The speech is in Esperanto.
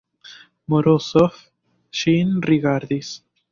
Morozov ŝin rigardis.